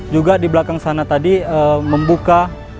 juga di belakang sana tadi membuka